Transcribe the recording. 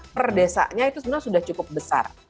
per desanya itu sebenarnya sudah cukup besar